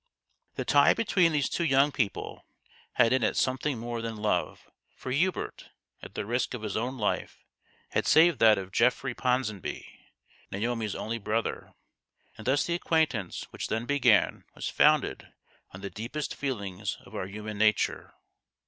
" The tie between these two young people had in it something more than love, for Hubert, at the risk of his own life, had saved that of Geoffrey Ponsonby, Naomi's only brother ; and thus the acquaintance which then began was founded on the deepest feelings of our human nature.